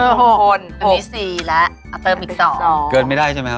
อันนี้สี่แล้วเอาเติ้ลมี๒เกินไม่ได้ใช่ไหมครับ